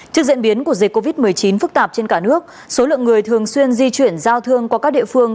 trước diễn biến của dịch covid một mươi chín phức tạp trên cả nước số lượng người thường xuyên di chuyển giao thương qua các địa phương